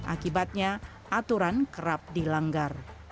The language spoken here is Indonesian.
akibatnya aturan kerap dilanggar